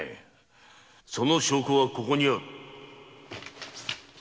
・その証拠はここにある！